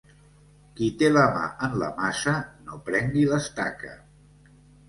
Qui té la mà en la maça, no prengui l'estaca.